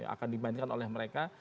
akan dimainkan oleh mereka